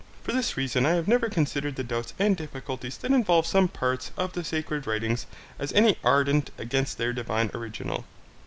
For this reason I have never considered the doubts and difficulties that involve some parts of the sacred writings as any ardent against their divine original.